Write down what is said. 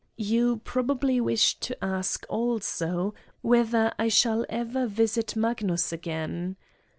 You probably wish to ask also whether I shall ever visit Magnus again!